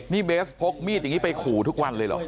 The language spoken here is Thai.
นี่เบสพกมีดอย่างนี้ไปขู่ทุกวันเลยเหรอ